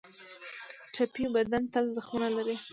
ټپي بدن تل زخمونه لري.